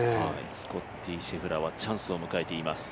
スコッティ・シェフラーはチャンスを迎えています。